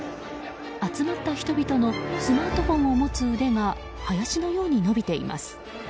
集まった人々のスマートフォンを持つ腕が林のように伸びています。